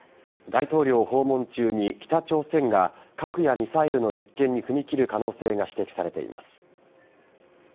大統領訪問中に北朝鮮が核やミサイルの実験に踏み切る可能性が指摘されています。